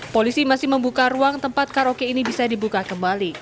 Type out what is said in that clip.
polisi masih membuka ruang tempat karaoke ini bisa dibuka kembali